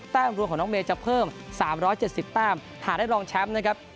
แต้มรวมของน้องเมย์จะเพิ่มสามร้อยเจ็ดสิบแต้มถ้าได้รองแชมป์นะครับ